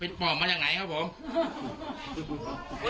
ปอบมาจากไหนครับผม